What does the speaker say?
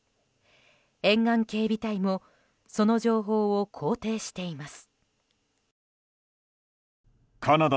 沿岸警備隊もその情報を肯定しています。